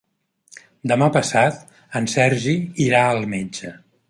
Demà passat en Sergi irà al metge.